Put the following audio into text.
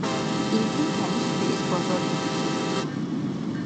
Илди тянишбиэс бажардибикилри.